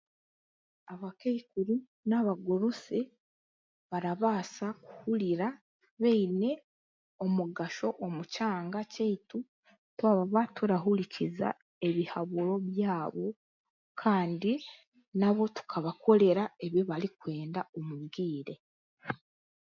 Abakaikuru n'abagurusi barabaasa kuhurira beine omugasho omukyanga kyeitu twaba turahurikiza ebihaburo byaabo kandi nabo tukabakorera ebi bwarikwenda omu bwire.